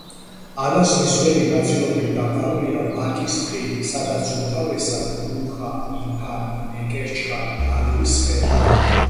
ალაზნის ველი ნაწილობრივ დაფარულია ვაკის ტყით, სადაც უმთავრესად მუხა, იფანი, ნეკერჩხალი, ალვის ხე.